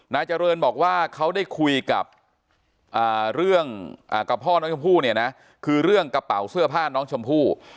นายเจริญบอกว่าเขาได้คุยกับเรื่องกับพ่อน้องชมพู่เนี่ยนะคือเรื่องกระเป๋าเสื้อผ้าน้องชมพู่